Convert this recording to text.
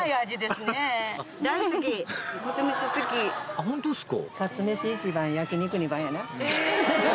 あホントですか。